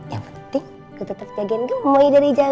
yang penting gue tetep jagain gemoy dari jauh